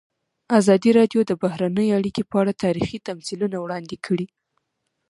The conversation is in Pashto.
ازادي راډیو د بهرنۍ اړیکې په اړه تاریخي تمثیلونه وړاندې کړي.